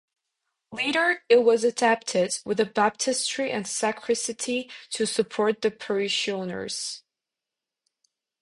Later it was adapted, with a baptistery and sacristy to support the parishioners.